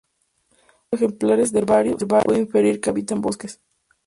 De acuerdo a ejemplares de herbario, se puede inferir que habita en bosques.